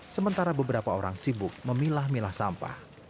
sementara beberapa orang sibuk memilah milah sampah